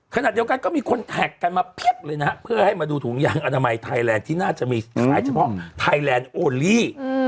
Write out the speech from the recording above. ขณะเดียวกันก็มีคนแท็กกันมาเพียบเลยนะฮะเพื่อให้มาดูถุงยางอนามัยไทยแลนด์ที่น่าจะมีขายเฉพาะไทยแลนด์โอลี่